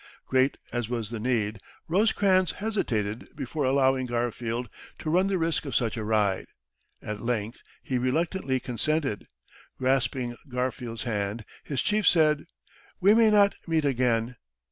Great as was the need, Rosecrans hesitated before allowing Garfield to run the risk of such a ride. At length he reluctantly consented. Grasping Garfield's hand, his chief said, "We may not meet again.